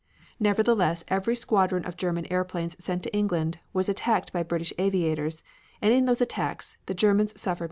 Nevertheless, every squadron of German airplanes sent to England was attacked by British aviators, and in those attacks the Germans suffered many losses.